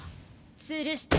つるして。